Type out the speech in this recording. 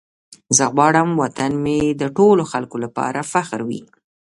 زه غواړم وطن مې د ټولو خلکو لپاره فخر وي.